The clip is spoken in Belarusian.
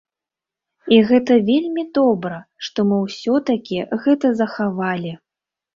І гэта вельмі добра, што мы ўсё-такі гэта захавалі.